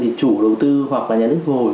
thì chủ đầu tư hoặc là nhà nước thu hồi